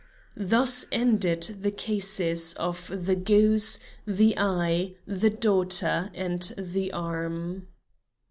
Thus ended the cases of the goose, the eye, the daughter, and the arm.